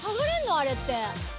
あれって。